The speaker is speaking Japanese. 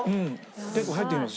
結構入ってきます